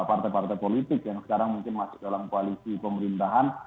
partai partai politik yang sekarang mungkin masuk dalam koalisi pemerintahan